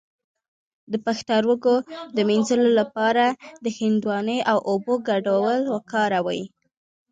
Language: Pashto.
د پښتورګو د مینځلو لپاره د هندواڼې او اوبو ګډول وکاروئ